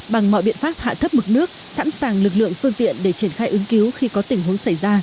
bằng mọi biện pháp hạ thấp mực nước sẵn sàng lực lượng phương tiện để triển khai ứng cứu khi có tình huống xảy ra